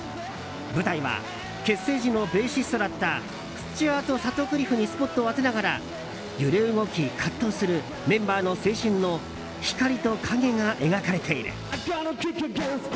舞台は結成時のベーシストだったスチュアート・サトクリフにスポットを当てながら揺れ動き、葛藤するメンバーの青春の光と影が描かれている。